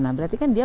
nah berarti kan dia